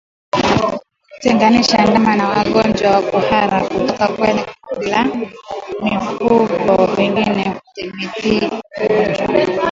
Kutengenisha ndama wagonjwa wa kuhara kutoka kwenye kundi la mifugo wengine hudhibiti ugonjwa